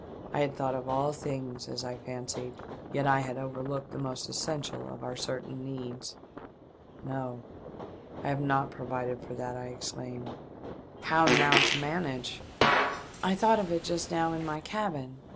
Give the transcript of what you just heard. I had thought of all things, as I fancied , yet I had overlooked the most essential of our certain needs. "No, I have not provided for that," I exclaimed. " How now to manage ?"" I thought of it just now in my cabin.